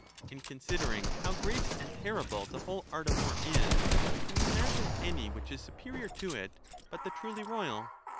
And, considering how great and terrible the whole art of war is, can we imagine any which is superior to it but the truly royal